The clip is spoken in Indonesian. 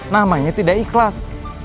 namanya tidak ikhlas